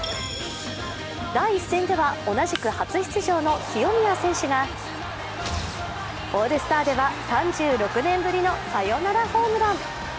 第１戦では同じく初出場の清宮選手がオールスターでは３６年ぶりのサヨナラホームラン。